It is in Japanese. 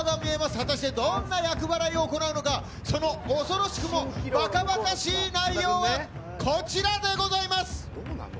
果たして、どんな厄払いを行うのか、その恐ろしくもばかばかしい内容はこちらでございます。